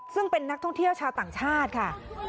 ซึ่งเป็นนักท่องเที่ยวชาวต่างชาติค่ะ